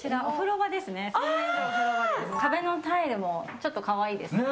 壁のタイルもちょっと可愛いですよね。